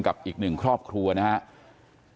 อีกหนึ่งครอบครัวนะครับ